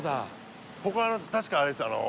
ここ確かあれです